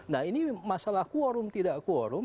nah ini masalah kuorum tidak kuorum